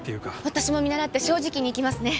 私も見習って正直に生きますね。